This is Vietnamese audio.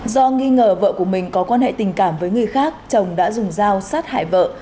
do nghi ngờ vợ của mình có quan hệ tình cảm với người khác chồng đã dùng dao sát hại vợ